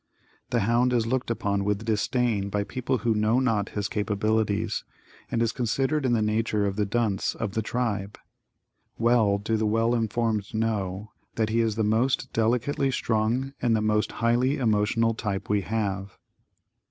The hound is looked upon with disdain by people who know not his capabilities, and is considered in the nature of the dunce of the tribe. Well do the well informed know that he is the most delicately strung and the most highly emotional type we have.